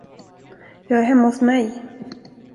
Jag är hemma hos mig.